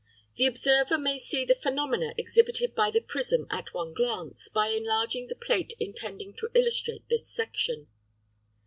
The observer may see the phenomena exhibited by the prism at one glance, by enlarging the plate intended to illustrate this section.